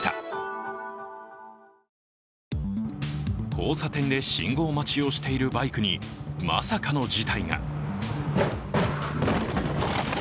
交差点で信号待ちをしているバイクに、まさかの事態が。